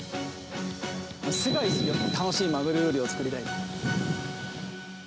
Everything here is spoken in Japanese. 世界一楽しいマグロ料理を作りたいですね。